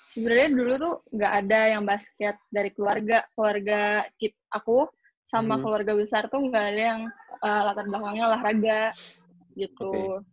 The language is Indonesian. sebenarnya dulu tuh gak ada yang basket dari keluarga keluarga aku sama keluarga besar tuh gak ada yang latar belakangnya olahraga gitu